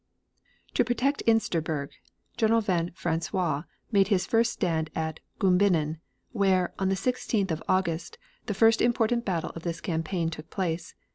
To protect Insterburg, General van Francois made his first stand at Gumbinnen, where, on the 16th of August, the first important battle of this campaign took place.